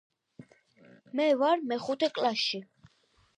მე ვარ მეხუთე კლასში.